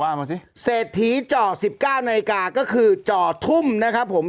มาสิเศรษฐีจ่อสิบเก้านาฬิกาก็คือจ่อทุ่มนะครับผม